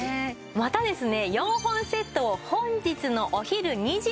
またですね